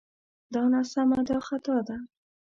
دا ناسمه دا خطا ده